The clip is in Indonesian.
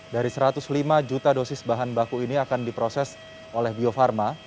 dari satu ratus lima juta dosis bahan baku ini akan diproses oleh bio farma